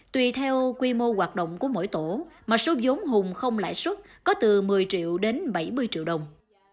tùy theo quy mô hoạt động của mỗi tổ mà số giống hùng không lãi xuất có từ một mươi triệu đến bảy mươi triệu đồng